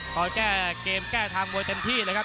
แก้ภายการเข้าทางมวยเต็มที่เลยครับ